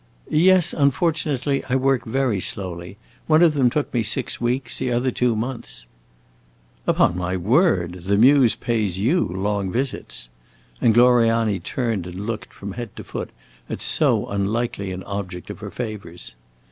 "Yes, unfortunately, I work very slowly. One of them took me six weeks, the other two months." "Upon my word! The Muse pays you long visits." And Gloriani turned and looked, from head to foot, at so unlikely an object of her favors.